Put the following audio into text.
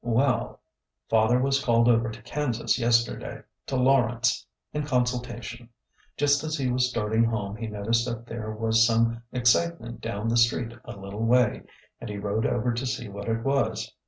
'' Well,— father was called over to Kansas yesterday— to Lawrence— in consultation. Just as he was starting home he noticed that there was some excitement down the street a little way, and he rode over to see what it was.